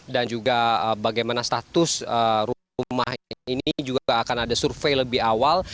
dan juga bagaimana status rumah ini juga akan ada survei lebih awal